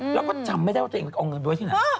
แล้วก็จำไม่ได้ว่าตัวเองไปเอาเงินไว้ที่ไหน